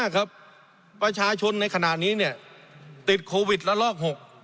ครับประชาชนในขณะนี้ติดโควิดละลอก๖